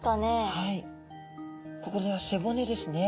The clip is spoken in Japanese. はいこれは背骨ですね。